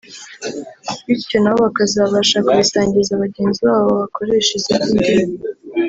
bityo nabo bakazabasha kubisangiza bagenzi babo bakoresha izindi ndimi